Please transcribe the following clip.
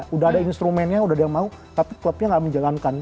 sudah ada instrumennya sudah ada yang mau tapi klubnya gak menjalankan